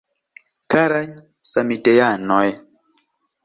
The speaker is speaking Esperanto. Karaj Samideanoj!